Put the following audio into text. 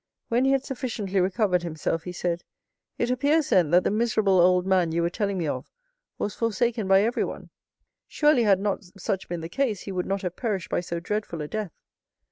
When he had sufficiently recovered himself, he said, "It appears, then, that the miserable old man you were telling me of was forsaken by everyone. Surely, had not such been the case, he would not have perished by so dreadful a death."